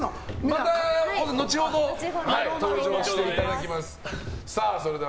また後ほど登場していただきますので。